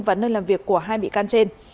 và nơi làm việc của hai bị can trên